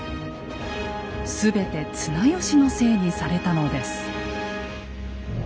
全て綱吉のせいにされたのです。